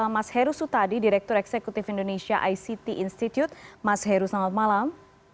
mas heru sutadi direktur eksekutif indonesia ict institute mas heru selamat malam